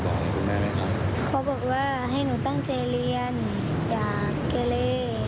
เขาบอกว่าให้หนูตั้งใจเรียนอย่าเก๋เล